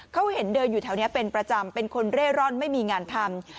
เขาเห็นเดินอยู่แถวนี้เป็นประจำเป็นคนเร่ร่อนไม่มีงานทำ